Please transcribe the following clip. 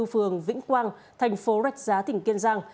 phường vĩnh quang thành phố rạch giá tỉnh kiên giang